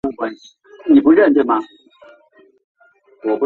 位于利津县西南部。